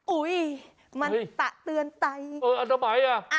อุ๊ยมันตะเตือนไตอาจจะไม่อ่ะ